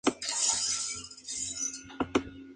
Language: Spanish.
Estuvo dos temporadas en Minnesota Timberwolves.